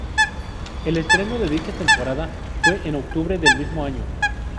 El estreno de dicha temporada fue en Octubre del mismo año.